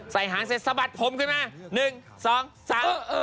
หางเสร็จสะบัดผมขึ้นมาหนึ่งสองสามเออ